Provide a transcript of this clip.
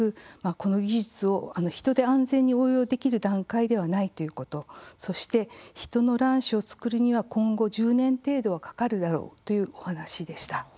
この技術をヒトで安全に応用できる段階ではないということそして、ヒトの卵子を作るには今後１０年程度はかかるだろうというお話でした。